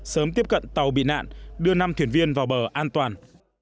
sớm tiếp cận tàu bị nạn đưa năm thuyền viên vào bờ an toàn